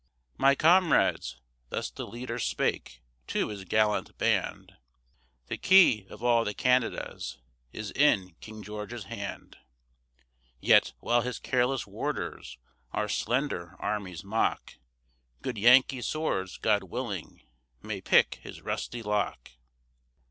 "My comrades," thus the leader spake to his gallant band, "The key of all the Canadas is in King George's hand, Yet, while his careless warders our slender armies mock, Good Yankee swords God willing may pick his rusty lock!"